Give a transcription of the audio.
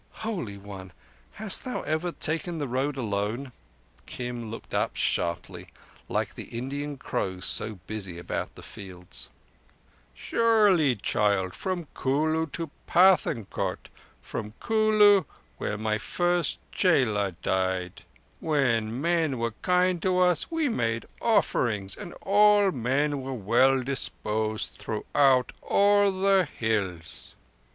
"Holy One, hast thou ever taken the Road alone?" Kim looked up sharply, like the Indian crows so busy about the fields. "Surely, child: from Kulu to Pathânkot—from Kulu, where my first chela died. When men were kind to us we made offerings, and all men were well disposed throughout all the Hills."